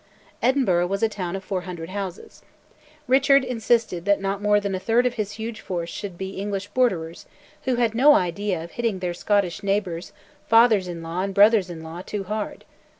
Edinburgh was a town of 400 houses. Richard insisted that not more than a third of his huge force should be English Borderers, who had no idea of hitting their Scottish neighbours, fathers in law and brothers in law, too hard.